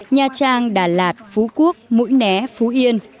nha trang đà lạt phú quốc mũi né phú yên